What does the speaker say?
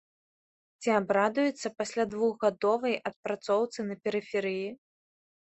Ці абрадуецца пасля двухгадовай адпрацоўцы на перыферыі?